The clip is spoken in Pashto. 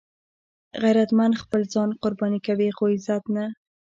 غیرتمند خپل ځان قرباني کوي خو عزت نه